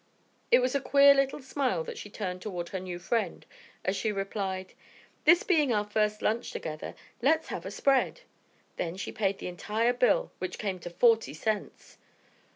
It was a queer little smile that she turned toward her new friend as she replied: "This being our first lunch together, let's have a spread." Then she paid the entire bill, which came to forty cents.